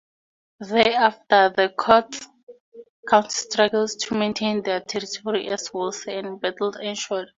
Thereafter, the Counts struggled to maintain their territory as wars and battles ensued.